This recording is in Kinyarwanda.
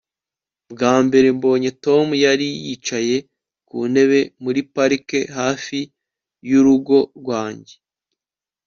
Bwa mbere mbonye Tom yari yicaye ku ntebe muri parike hafi yurugo rwanjye